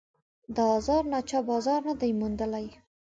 د آزار نه چا بازار نه دی موندلی